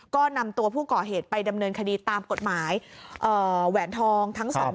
ก็นำตัวผู้ก่อเหตุไปดำเนินคดีตามกฎหมายแหวนทองทั้งสอง